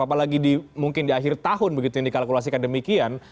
apalagi mungkin di akhir tahun begitu yang dikalkulasikan demikian